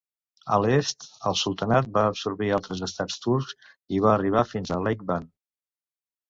A l"est, el sultanat va absorbir altres estats turcs i va arribar fins a Lake Van.